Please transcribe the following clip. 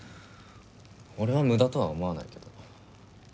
俺は無駄とは思わないけど。